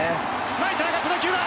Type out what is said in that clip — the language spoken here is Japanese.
ライトへ上がった打球だ！